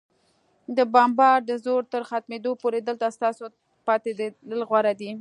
د بمبار د زور تر ختمېدو پورې، دلته ستاسو پاتېدل غوره دي.